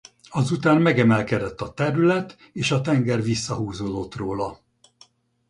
Azután megemelkedett a terület és a tenger visszahúzódott róla.